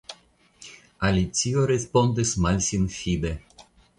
Alicio respondis malsinfide.